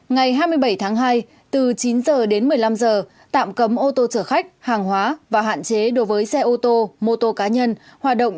ngày hai mươi bảy tháng hai từ chín h đến một mươi năm giờ tạm cấm ô tô chở khách hàng hóa và hạn chế đối với xe ô tô mô tô cá nhân hoạt động